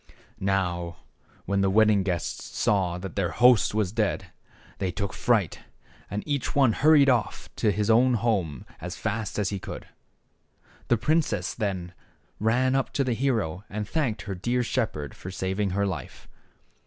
Now when the wedding guests saw that their host was dead, they took fright, and each one hurried off to his own home as fast as he could. The princess then ran up to the hero, and thanked her dear shepherd for saving her life.